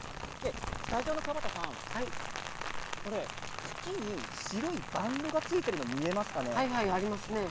スタジオのくわばたさん茎に白いバンドがついているのが見えますか？